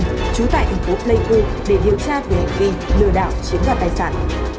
trú tại thành phố pleiku để điều tra về hành vi lừa đảo chiến đoạn tài sản